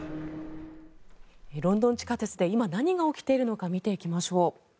ロンドン地下鉄で今、何が起きているのか見ていきましょう。